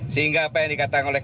sehingga apa yang dikatakan oleh